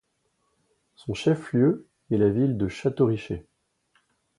Son chef-lieu est la ville de Château-Richer.